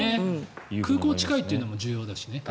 空港が近いというのも重要だね。